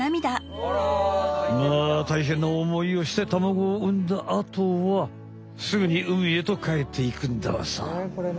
まあ大変なおもいをして卵を産んだあとはすぐに海へとかえっていくんだわさ。